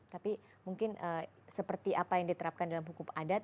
tapi mungkin seperti apa yang diterapkan dalam hukum adat